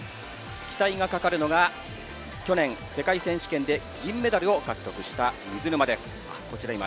期待がかかるのが去年、世界選手権で銀メダルを獲得した水沼です。